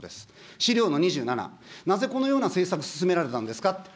資料の２７、なぜこのような政策進められたんですかと。